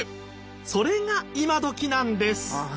それが今どきなんです。